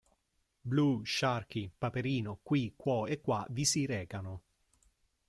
Blue, Sharkey, Paperino, Qui, Quo e Qua vi si recano.